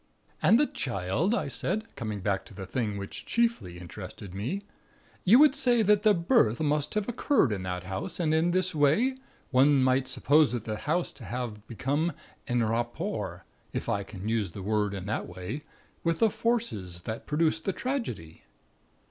"And the Child," I said, coming back to the thing which chiefly interested me. "You would say that the birth must have occurred in that house; and in this way, one might suppose that the house to have become en rapport, if I can use the word in that way, with the Forces that produced the tragedy?"